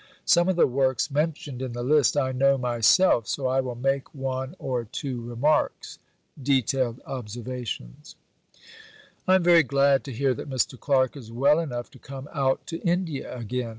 Some of the works mentioned in the list I know myself, so I will make one or two remarks ... [detailed observations]. I am very glad to hear that Mr. Clark is well enough to come out to India again.